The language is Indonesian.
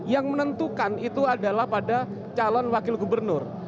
yang menentukan itu adalah pada calon wakil gubernur